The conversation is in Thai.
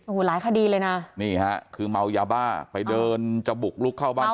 โอ้โหหลายคดีเลยนะนี่ฮะคือเมายาบ้าไปเดินจะบุกลุกเข้าบ้าน